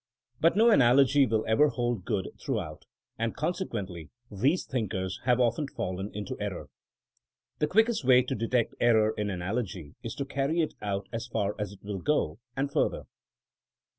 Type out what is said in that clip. But no analogy will ever hold good throughout, and consequently these thinkers have often fallen into error. The quickest way to detect error in analogy is to carry it out as far as it will go — and fur ther.